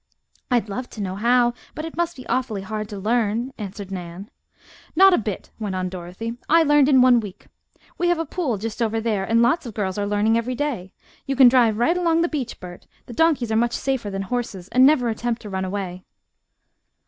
"I'd love to know how, but it must be awfully hard to learn," answered Nan. "Not a bit," went on Dorothy; "I learned in one week. We have a pool just over there, and lots of girls are learning every day. You can drive right along the beach, Bert; the donkeys are much safer than horses and never attempt to run away."